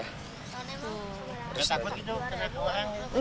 gak takut kena ke orang